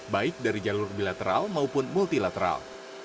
baik dari jalur bilateral maupun multilateral